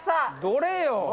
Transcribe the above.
どれよ？